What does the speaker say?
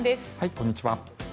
こんにちは。